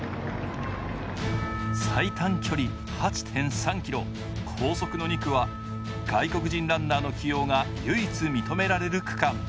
最短距離８．３ｋｍ、高速の２区は外国人ランナーの起用が唯一認められる区間。